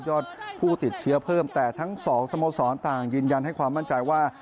ผู้ติดเชื้อเพิ่มแต่ทั้งสองสโมสรต่างยืนยันให้ความมั่นใจว่า